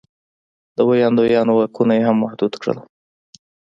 د ویاندویانو واکونه یې هم محدود کړل.